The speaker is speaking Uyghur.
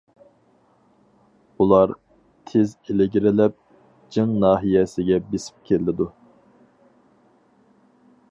ئۇلار تېز ئىلگىرىلەپ جىڭ ناھىيەسىگە بېسىپ كېلىدۇ.